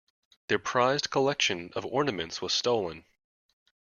Their prized collection of ornaments was stolen.